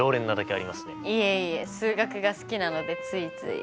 いえいえ数学が好きなのでついつい。